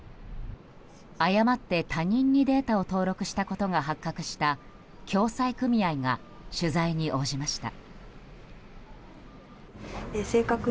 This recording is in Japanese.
誤って他人のデータを登録したことが発覚した共済組合が取材に応じました。